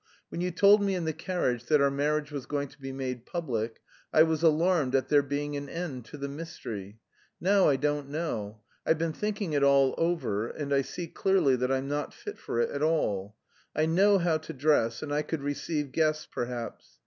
"When you told me in the carriage that our marriage was going to be made public, I was alarmed at there being an end to the mystery. Now I don't know. I've been thinking it all over, and I see clearly that I'm not fit for it at all. I know how to dress, and I could receive guests, perhaps.